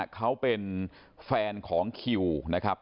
เขาเป็นแฟนของคิวนะครับ